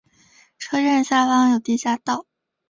车站下方有地下道。